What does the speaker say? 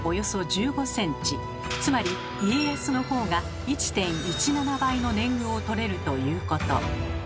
つまり家康のほうが１．１７倍の年貢をとれるということ。